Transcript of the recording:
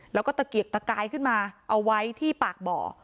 แล้วก็ตะเกียกตะกายขึ้นมาเอาไว้ที่ปากบ่อ